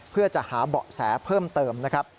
เพื่อจะหาเบาะแสเพิ่มเติมนะครับ